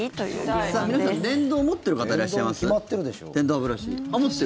皆さん、電動持っている方いらっしゃいます？